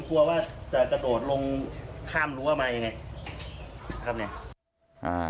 อืมครับตอนนี้ผมกลัวว่าจะกระโดดลงข้ามรั้วมายังไงครับเนี่ย